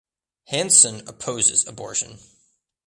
Hansen opposes abortion.